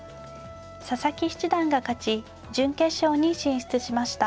佐々木七段が勝ち準決勝に進出しました。